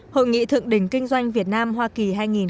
hội nghị thượng đỉnh kinh doanh việt nam hoa kỳ hai nghìn một mươi tám